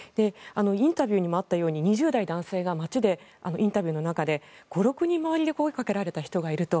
インタビューにもあったように２０代男性が街でインタビューの中で５６人、周りで声をかけられた人がいると。